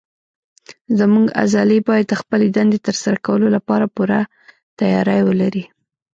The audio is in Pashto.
زموږ عضلې باید د خپلې دندې تر سره کولو لپاره پوره تیاری ولري.